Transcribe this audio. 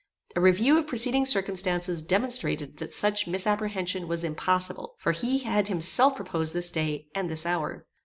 A review of preceding circumstances demonstrated that such misapprehension was impossible; for he had himself proposed this day, and this hour.